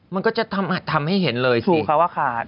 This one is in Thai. มันก็จะทำให้เห็นเลยสีขาว